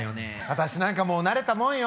私なんかもう慣れたもんよ。